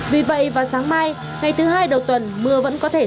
vì vậy vào sáng mai ngày thứ hai đầu tuần mưa vẫn có thể xảy ra